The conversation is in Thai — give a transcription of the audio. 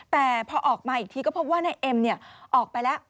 แต่พอออกมาอีกทีก็พบว่านายเอ็มออกไปแล้ว